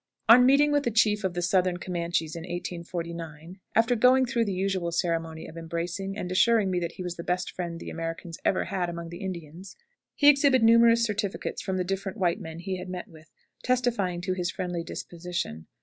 On meeting with a chief of the Southern Comanches in 1849, after going through the usual ceremony of embracing, and assuring me that he was the best friend the Americans ever had among the Indians, he exhibited numerous certificates from the different white men he had met with, testifying to his friendly disposition.